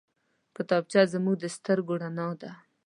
کتابچه زموږ د سترګو رڼا ده